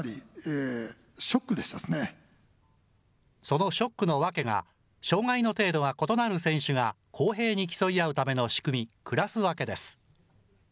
そのショックの訳が、障害の程度が異なる選手が、公平に競い合うための仕組み、クラス分けです。